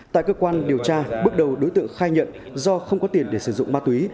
tại cơ quan điều tra bước đầu đối tượng khai nhận do không có tiền để sử dụng ma túy